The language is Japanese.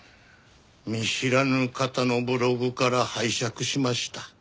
見知らぬ方のブログから拝借しました。